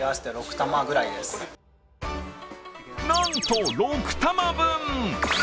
なんと６玉分！